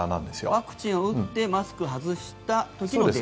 ワクチンを打ってマスクを外した時のデータ。